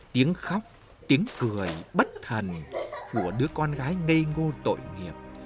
tiếng khóc tiếng cười bất thần của đứa con gái ngây ngô tội nghiệp